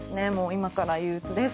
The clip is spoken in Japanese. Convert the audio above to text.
今から憂鬱です。